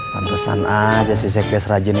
kawasan aja sih seek des rajin